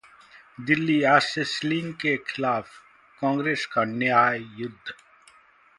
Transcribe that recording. दिल्ली: आज से सीलिंग के खिलाफ कांग्रेस का 'न्याय युद्ध'